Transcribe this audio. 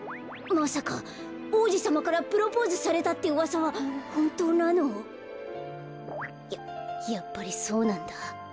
まさかおうじさまからプロポーズされたってうわさはほんとうなの？ややっぱりそうなんだ。